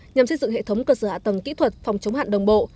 nhằm xây dựng hệ thống cơ sở hạ tầng kỹ thuật phòng chống hạn đồng bộ